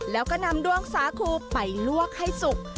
แล้วก็นำดวงสาคูไปลวกให้สุก